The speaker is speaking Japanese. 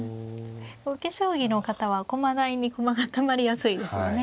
受け将棋の方は駒台に駒がたまりやすいですよね。